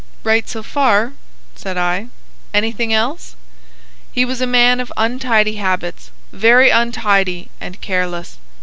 "Right, so far," said I. "Anything else?" "He was a man of untidy habits,—very untidy and careless.